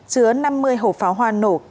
chứa năm mươi hộp pháo hoa nổ